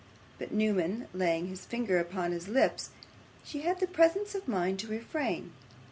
But, Newman laying his finger upon his lips, she had the presence of mind to refrain.